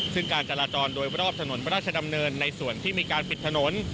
ซึ่งการจราจรโดยรอบถนนพระราชดำเนินในส่วนที่มีการปิดถนน